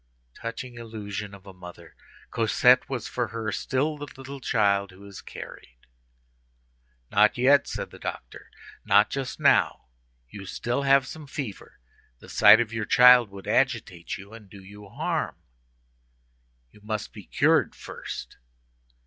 Touching illusion of a mother! Cosette was, for her, still the little child who is carried. "Not yet," said the doctor, "not just now. You still have some fever. The sight of your child would agitate you and do you harm. You must be cured first."